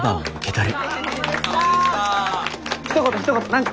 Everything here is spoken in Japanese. ひと言ひと言何か。